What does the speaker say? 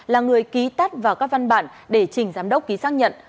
là người ký tắt vào các văn bản để trình giám đốc ký xác nhận